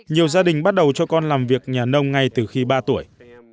nhiều gia đình bắt đầu cho con làm việc nhà nông ngay từ khi ba tuổi